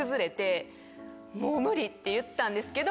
もう無理って言ったんですけど。